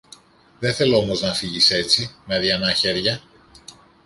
Δε θέλω όμως να φύγεις έτσι, με αδειανά χέρια.